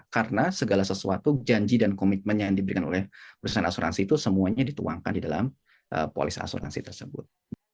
karena segala sesuatu janji dan komitmen yang diberikan oleh perusahaan asuransi itu semuanya dituangkan di dalam polis asuransi tersebut